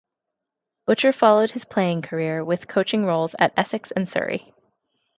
Butcher followed his playing career with coaching roles at Essex and Surrey.